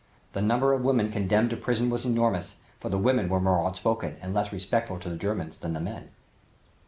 The number of women condemned to prison was enormous, for the women were more outspoken and less respectful to the Germans than the men.